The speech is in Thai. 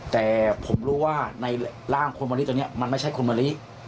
แต่ผมรู้ว่าในร่างคุณมะลิตัวนี้มันไม่ใช่คุณมะลิ